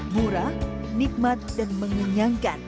gura nikmat dan mengenyangkan